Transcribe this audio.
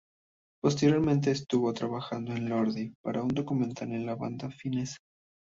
Posteriormente estuvo trabajando con Lordi para un documental de la banda finesa.